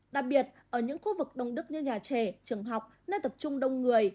đặc biệt ở những khu vực đông đức như nhà trẻ trường học nơi tập trung đông người